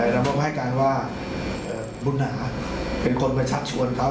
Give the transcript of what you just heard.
เราบอกให้การว่าบุญนาเป็นคนมาชัดชวนเขา